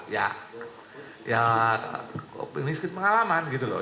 ya ya ini sekit pengalaman gitu loh